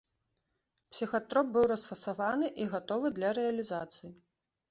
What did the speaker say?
Псіхатроп быў расфасаваны і гатовы для рэалізацыі.